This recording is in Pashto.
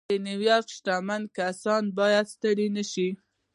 د نيويارک شتمن کسان بايد ستړي نه شي.